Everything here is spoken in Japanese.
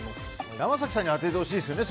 山崎さんに当ててほしいですね。